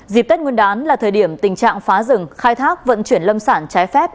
dịp tết nguyên đán là thời điểm tình trạng phá rừng khai thác vận chuyển lâm sản trái phép